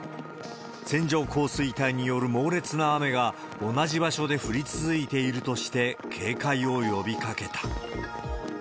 線状降水帯による猛烈な雨が同じ場所で降り続いているとして、警戒を呼びかけた。